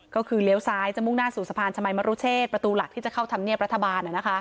ก็คือเลี้ยวซ้ายจะมุ่งหน้าสู่สะพานชมัยมรุเชษประตูหลักที่จะเข้าธรรมเนียบรัฐบาล